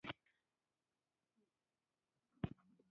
یا تا له ججې څخه خلاصوم یا سر بایلم.